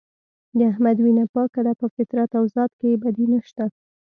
د احمد وینه پاکه ده په فطرت او ذات کې یې بدي نشته.